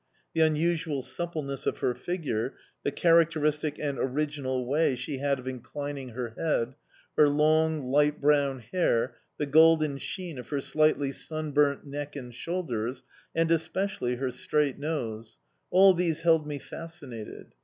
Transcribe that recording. The unusual suppleness of her figure, the characteristic and original way she had of inclining her head, her long, light brown hair, the golden sheen of her slightly sunburnt neck and shoulders, and especially her straight nose all these held me fascinated.